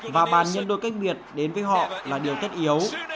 và bàn nhân đôi cách biệt đến với họ là điều tất yếu